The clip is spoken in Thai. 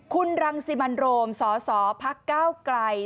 คุณรังสิมันโรมสสพักก้าวไกล